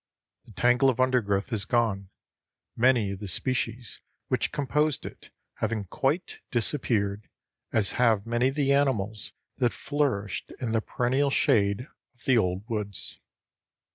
The tangle of undergrowth is gone, many of the species which composed it having quite disappeared, as have many of the animals that flourished in the perennial shade of the old woods.